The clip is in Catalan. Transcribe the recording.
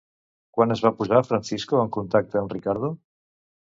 Quan es va posar Francisco en contacte amb Ricardo?